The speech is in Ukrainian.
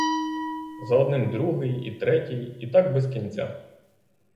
За одним другий і третій, і так без кінця.